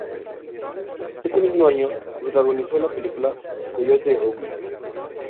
Ese mismo año protagonizó la película "Coyote Ugly".